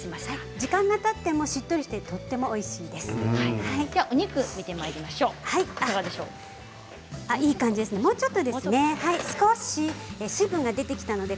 時間がたってもしっとりしてとてもおいしいです。